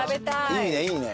いいねいいね。